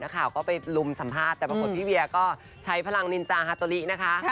ข่าวก็ไปลุมสัมภาษณ์แต่ปรากฏพี่เวียก็ใช้พลังนินจาฮาโตลินะคะ